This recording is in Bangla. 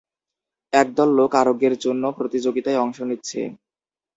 একদল লোক আরোগ্যের জন্য প্রতিযোগিতায় অংশ নিচ্ছে।